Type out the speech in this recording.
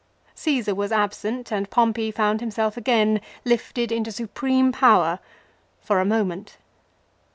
Csesar was absent and Pompey found himself again lifted into supreme power for a moment.